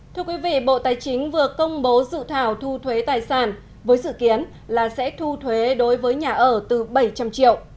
thưa quý vị bộ tài chính vừa công bố dự thảo thu thuế tài sản với dự kiến là sẽ thu thuế đối với nhà ở từ bảy trăm linh triệu